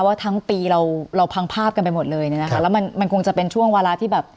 ว่าทั้งปีเราเพลิงภาพกันไปหมดเลยนะมันคงจะเป็นช่วงเวลาที่แบบ